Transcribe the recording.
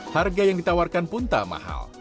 harga yang ditawarkan pun tak mahal